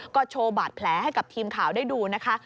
ก็โชว์บาดแผลให้กับทีมข่าวได้ดูนะคะ